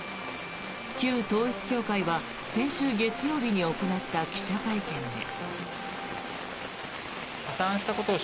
旧統一教会は先週月曜日に行った記者会見で。